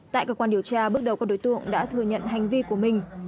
tại cơ quan điều tra bước đầu các đối tượng đã thừa nhận hành vi của mình